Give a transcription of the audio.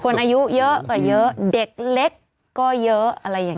อายุเยอะกว่าเยอะเด็กเล็กก็เยอะอะไรอย่างนี้